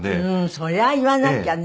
それは言わなきゃね。